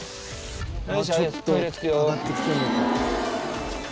「ちょっと上がってきてるのか」